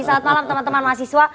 selamat malam teman teman mahasiswa